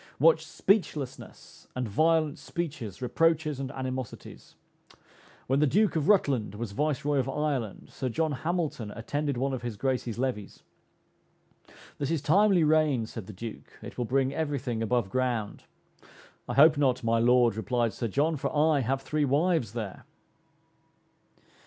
What speechlessness and violent speeches, reproaches and animosities! When the Duke of Rutland was Viceroy of Ireland, Sir John Hamilton attended one of his Grace's levees. "This is timely rain," said the Duke, "it will bring every thing above ground." "I hope not, my Lord," replied Sir John, "for I have three wives there."